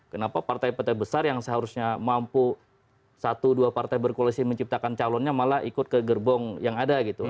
kenapa partai partai besar yang seharusnya mampu satu dua partai berkoalisi menciptakan calonnya malah ikut ke gerbong yang ada gitu